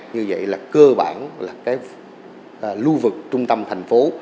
như vậy là cơ bản lưu vực trung tâm thành phố